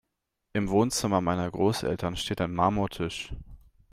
Im Wohnzimmer meiner Großeltern steht ein Marmortisch.